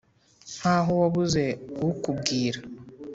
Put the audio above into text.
nkaho wabuze ukubwira